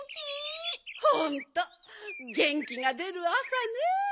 ほんとげんきがでるあさね。